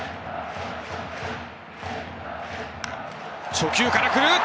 初球から来る！